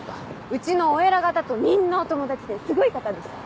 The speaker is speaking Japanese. うちのお偉方とみんなお友達ですごい方でした。